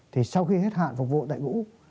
thì sau khi hết hạn phục vụ đại ngũ